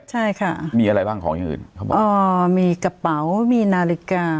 ใช่ค่ะมีอะไรบ้างของอย่างอื่นเขาบอกอ๋อมีกระเป๋ามีนาฬิกา